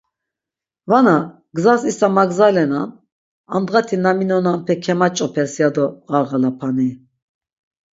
Vana; gzas isa magzalenan, andğati na minonanpe kemaç̌opes ya do ğarğalapani?